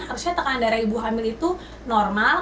harusnya tekanan darah ibu hamil itu normal